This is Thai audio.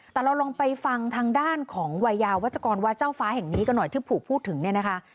แต่เราลองไปฟังทางด้านของวัยยาวัชกรวัดเจ้าฟ้าแห่งนี้กันหน่อยที่ถูกพูดถึงเนี่ยนะคะ